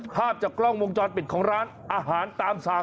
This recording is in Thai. ภาพจากกล้องวงจรปิดของร้านอาหารตามสั่ง